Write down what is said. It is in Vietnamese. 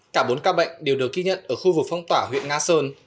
cả bốn ca bệnh đều được ghi nhận ở khu vực phong tỏa huyện nga sơn